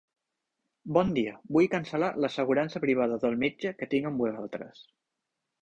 Bon dia, vull cancel·lar l'assegurança privada del metge que tinc amb vosaltres.